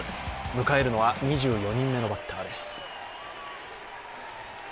迎えるのは２４人目のバッターです。